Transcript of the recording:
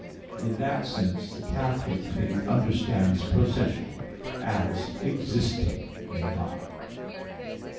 In that sense the Catholic Faith understands procession as existing in God.